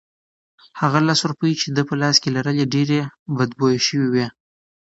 هغه لس روپۍ چې ده په لاس کې لرلې ډېرې بدبویه شوې وې.